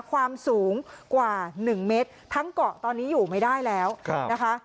ความสูงกว่า๑เมตรทั้งเกาะตอนนี้อยู่ไม่ได้แล้วนะคะ